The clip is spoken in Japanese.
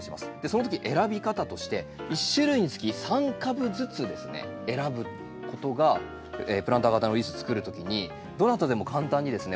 その時選び方として１種類につき３株ずつですね選ぶことがプランター型のリースつくる時にどなたでも簡単にですね